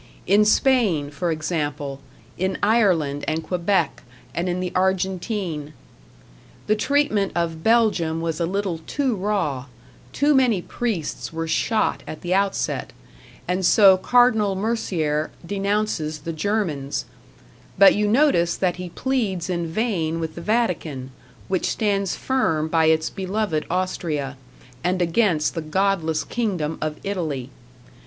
In Spain, for example; in Ireland and Quebec, and in the Argentine. The treatment of Belgium was a little too raw too many priests were shot at the outset, and so Cardinal Mercier denounces the Germans; but you notice that he pleads in vain with the Vatican, which stands firm by its beloved Austria, and against the godless kingdom of Italy.